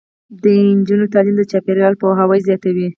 د نجونو تعلیم د چاپیریال پوهاوی زیاتوي.